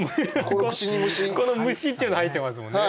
この「虫」っていうのが入ってますもんね。